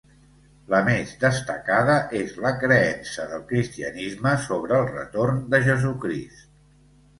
La més destacada és la creença del cristianisme sobre el retorn de Jesucrist.